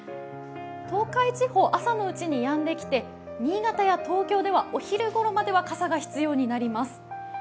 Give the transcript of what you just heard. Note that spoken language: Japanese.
東海地方、朝のうちにやんできて新潟や東京ではお昼ごろまでは傘が必要になります。